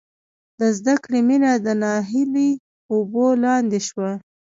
د زدکړې مینه د ناهیلۍ اوبو لاندې شوه